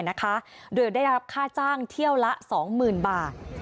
นะคะโดยได้รับค่าจ้างเที่ยวละสองหมื่นบาท